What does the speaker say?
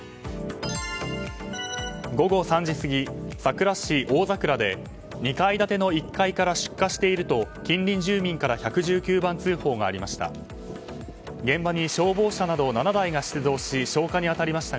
午後３時過ぎ、佐倉市大佐倉で２階建ての１階から出火していると近隣住民から１１９番通報がありました。